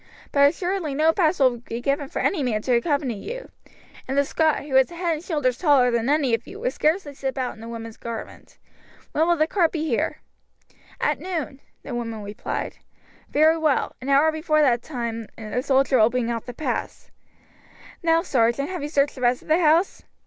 But assuredly no pass will be given for any man to accompany you; and the Scot, who is a head and shoulders taller than any of you, would scarcely slip out in a woman's garment. When will the cart be here?" "At noon," the woman replied. "Very well; an hour before that time a soldier will bring out the pass. Now, sergeant, have you searched the rest of the house?"